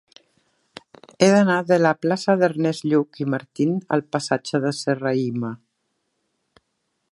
He d'anar de la plaça d'Ernest Lluch i Martín al passatge de Serrahima.